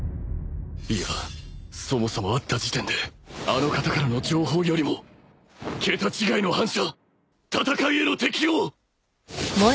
いやそもそも会った時点であの方からの情報よりも桁違いの反射戦いへの適応